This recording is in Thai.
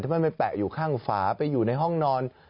มันไปแปะอยู่ข้างฝาไปอยู่ในห้องนอน